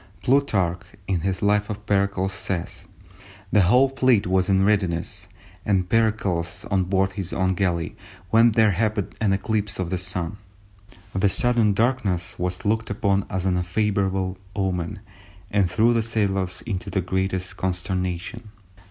Plutarch, in his Life of Pericles, says:—"The whole fleet was in readiness, and Pericles on board his own galley, when there happened an eclipse of the Sun. The sudden darkness was looked upon as an unfavourable omen, and threw the sailors into the greatest consternation.